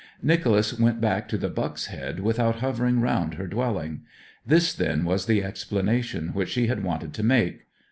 Nicholas went back to the Buck's Head without hovering round her dwelling. This then was the explanation which she had wanted to make.